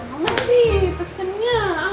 mama sih pesennya